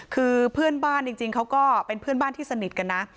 คือเพื่อนบ้านจริงเขาก็เป็นเพื่อนบ้านที่สนิทกันนะ